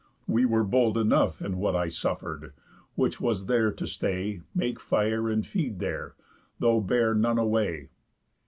We were bold enough In what I suffer'd; which was there to stay, Make fire and feed there, though bear none away.